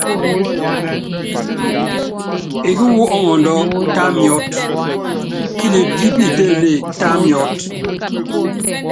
Eeki wú ɔŋɔndɔ́, ta miɔ́t, kilɛp kí piitéénée, tá miɔ́t.